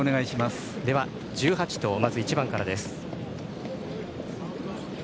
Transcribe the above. では、まず１番からです。